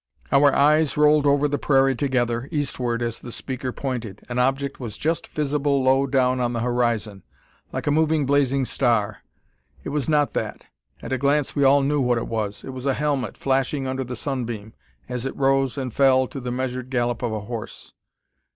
Our eyes rolled over the prairie together, eastward, as the speaker pointed. An object was just visible low down on the horizon, like a moving blazing star. It was not that. At a glance we all knew what it was. It was a helmet, flashing under the sunbeam, as it rose and fell to the measured gallop of a horse.